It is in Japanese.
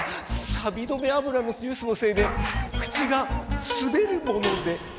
さび止めあぶらのジュースのせいで口がすべるもので。